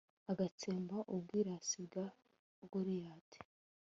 agatsemba ubwirasi bwa goliyati